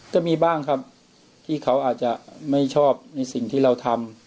ก็มีบ้างครับที่เขาอาจจะไม่ชอบในสิ่งที่เราทำ